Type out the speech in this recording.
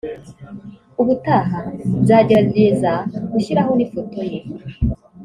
ubutaha nzagerageza gushyiraho n’ifoto ye